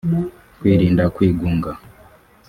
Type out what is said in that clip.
Kwirinda kwigunga